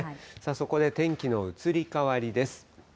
そこで天気の移り変わりです。